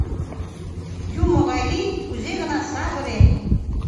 Юмо гай лий, кузе-гынат савыре.